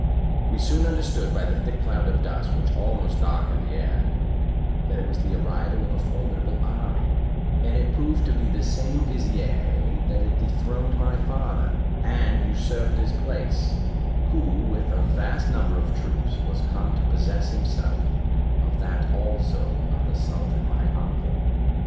We soon understood by the thick cloud of dust, which almost darkened the air, that it was the arrival of a formidable army: and it proved to be the same vizier that had dethroned my father, and usurped his place, who with a vast number of troops was come to possess himself of that also of the sultan my uncle.